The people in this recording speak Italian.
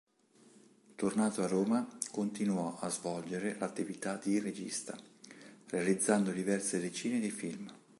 Tornato a Roma, continuò a svolgere l'attività di regista, realizzando diverse decine di film.